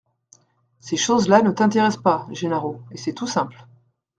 Ces choses-là ne t’intéressent pas, Gennaro, et c’est tout simple.